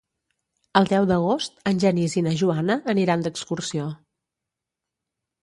El deu d'agost en Genís i na Joana aniran d'excursió.